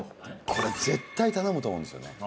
これ絶対頼むと思うんですよね。